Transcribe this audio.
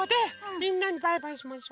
みんなにバイバイしましょ。